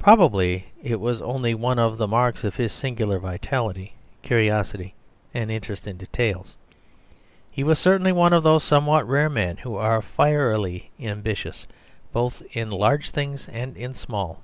Probably it was only one of the marks of his singular vitality, curiosity, and interest in details. He was certainly one of those somewhat rare men who are fierily ambitious both in large things and in small.